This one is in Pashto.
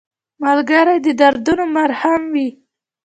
ملګری د دردونو مرهم وي